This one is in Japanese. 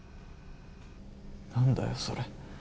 何だよそれ。